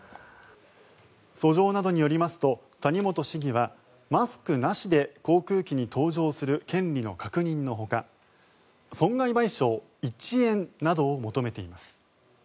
訴状などによりますと谷本市議はマスクなしで航空機に搭乗する権利の確認のほか損害賠償１円などを求めています。